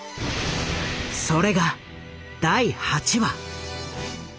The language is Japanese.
それが第８話。